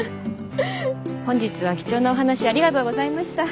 本日は貴重なお話ありがとうございました。